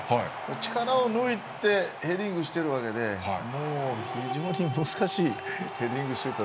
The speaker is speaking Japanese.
力を抜いてヘディングしてるわけでもう、非常に難しいヘディングシュート。